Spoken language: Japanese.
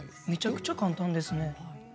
めちゃくちゃ簡単ですね。